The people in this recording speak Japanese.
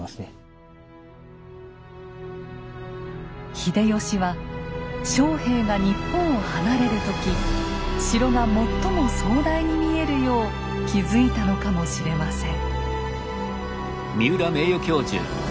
秀吉は将兵が日本を離れる時城が最も壮大に見えるよう築いたのかもしれません。